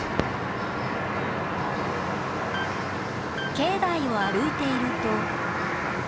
境内を歩いていると。